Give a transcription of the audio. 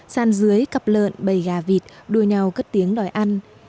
sàn dưới cặp lợn bầy gà vịt đua nhau cất tiếng đòi ăn